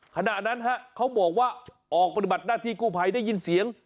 ขณะนั้นเขาบอกว่าออกปฏิบัติหน้าที่กู้ภัยได้ยินเสียง